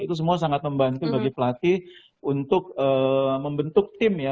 itu semua sangat membantu bagi pelatih untuk membentuk tim ya